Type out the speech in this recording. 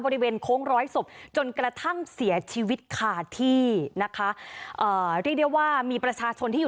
บริเวณโค้งร้อยศพจนกระทั่งเสียชีวิตขาดที่นะคะเอ่อเรียกได้ว่ามีประชาชนที่อยู่